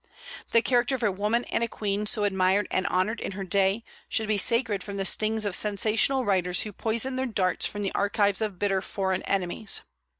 The character of a woman and a queen so admired and honored in her day, should be sacred from the stings of sensational writers who poison their darts from the archives of bitter foreign enemies.